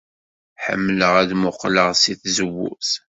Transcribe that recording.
Ḥemmleɣ ad mmuqqleɣ seg tzewwut.